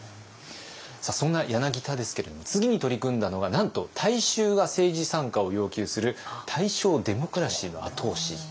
そんな柳田ですけれども次に取り組んだのはなんと大衆が政治参加を要求する大正デモクラシーの後押しでした。